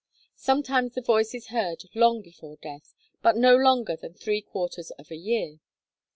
Sometimes the voice is heard long before death, but not longer than three quarters of a year.